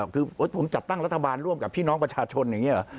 คือผมจัดตั้งรัฐบาลร่วมกับพี่น้องประชาชนอย่างนี้เหรอ